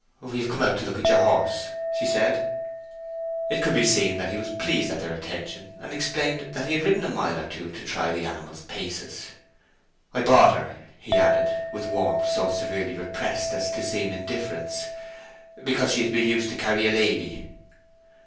"We have come out to look at your horse," she said. It could be seen that he was pleased at their attention, and explained that he had ridden a mile or two to try the animal's paces. "I bought her," he added, with warmth so severely repressed as to seem indifference, "because she has been used to carry a lady."